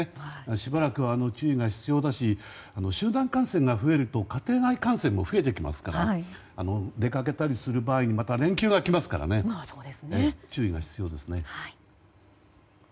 しばらくは注意が必要だし集団感染が増えると家庭内感染も増えてきますから出かけたりする場合また連休が来ますから注意が必要ですね。